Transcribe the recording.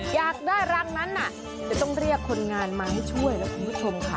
อยากได้รังนั้นน่ะจะต้องเรียกคนงานมาให้ช่วยนะคุณผู้ชมค่ะ